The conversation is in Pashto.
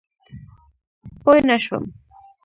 پوی نه شوم.